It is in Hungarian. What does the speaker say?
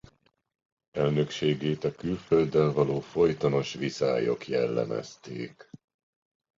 Elnökségét a külfölddel való folytonos viszályok jellemezték.